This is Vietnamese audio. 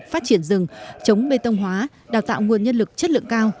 phát triển rừng chống bê tông hóa đào tạo nguồn nhân lực chất lượng cao